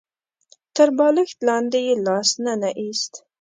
تر بالښت لاندې يې لاس ننه ايست.